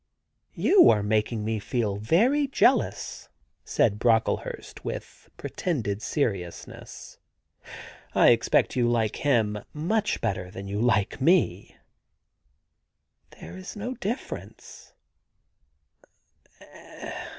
* You are making me feel very jealous,' said Broekle hurst with pretended seriousness. * I expect you like him much better than you like me !'* There is no difference